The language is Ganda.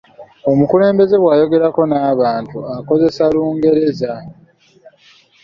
Omukulembeze bw’aba ayogerako n’abantu akozesa Lungereza.